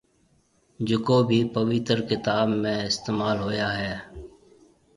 جڪو ڀِي پويتر ڪتاب ۾ اِستعمال هويا هيَ۔